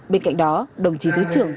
bên cạnh đó đồng chí thứ trưởng